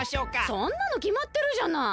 そんなのきまってるじゃない。